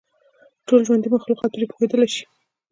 ټول ژوندي مخلوقات پرې پوهېدلای شي.